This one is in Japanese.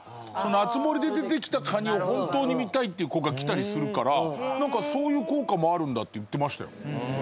『あつ森』で出てきたカニを本当に見たいっていう子が来たりするから、そういう効果もあるんだって言ってましたよ。